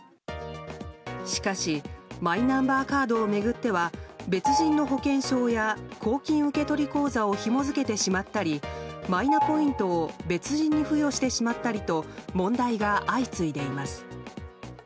しかしマイナンバーカードを巡っては別人の保険証や公金受取口座をひも付けてしまったりマイナポイントを別人に付与してしまったりと問題が相次いでいます。